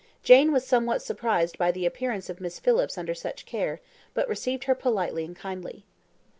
Jane was somewhat surprised by the appearance of Miss Phillips under such care, but received her politely and kindly.